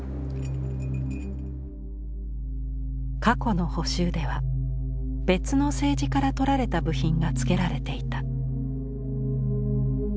過去の補修では別の青磁から取られた部品がつけられていた。